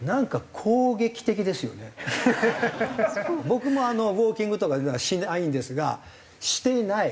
僕もウォーキングとかではしないんですがしていない。